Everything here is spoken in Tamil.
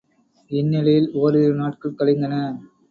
இந்நிலையில் ஓரிரு நாட்கள் கழிந்தன.